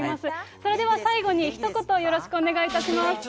それでは最後にひと言よろしくお願いいたします。